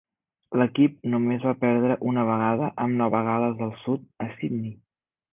L'equip només va perdre una vegada, amb Nova Gal·les del Sud a Sydney.